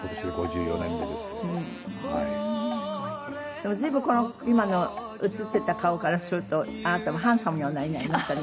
でも随分今の写っていた顔からするとあなたもハンサムにおなりになりましたね。